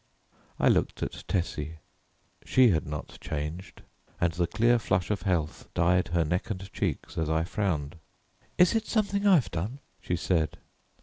I looked at Tessie. She had not changed, and the clear flush of health dyed her neck and cheeks as I frowned. "Is it something I've done?" she said.